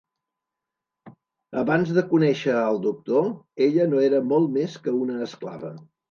Abans de conèixer al Doctor, ella no era molt més que una esclava.